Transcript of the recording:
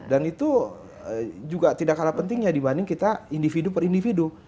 dan itu juga tidak kalah pentingnya dibanding kita individu per individu